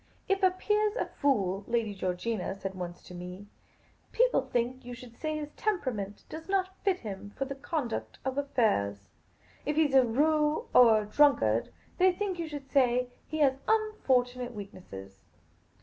" If a peer 's a fool," Lady Georgina said once to me, *' people think you should say his temperament does not fit him for the conduct of affairs ; if he 's a rou6 or a drunkard, they think you should say he has unfortunate weaknesses."